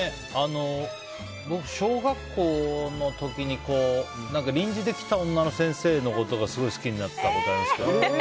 僕、小学校の時に臨時で来た女の先生のことをすごい、好きになったことありますけど。